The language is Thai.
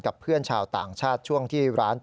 กับเพื่อนชาวต่างชาติช่วงที่ร้าน